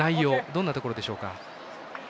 どんなところでしょうか。